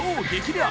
レア